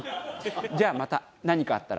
じゃあまた何かあったら。